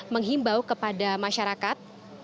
menghimbau kepada masyarakat